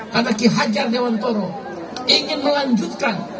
karena ki hajar dewantoro ingin melanjutkan